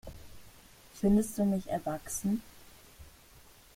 Findest du mich erwachsen?